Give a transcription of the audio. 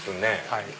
はい。